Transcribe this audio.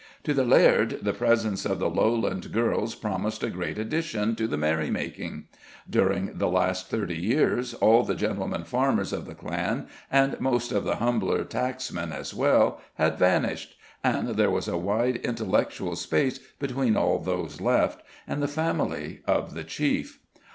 To the laird the presence of the lowland girls promised a great addition to the merry making. During the last thirty years, all the gentlemen farmers of the clan, and most of the humbler tacksmen as well, had vanished, and there was a wide intellectual space between all those left and the family of the chief.